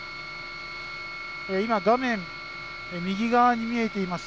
今、画面右側に見えています